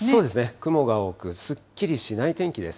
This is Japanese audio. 雲が多くすっきりしない天気です。